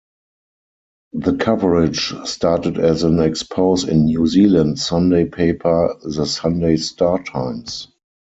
The coverage started as an expose in New Zealand Sunday paper "The Sunday Star-Times".